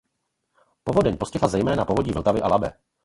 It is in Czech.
Povodeň postihla zejména povodí Vltavy a Labe.